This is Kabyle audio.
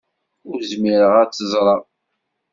Ur zmireɣ ad t-ẓreɣ.